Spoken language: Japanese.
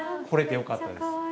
これてよかったです。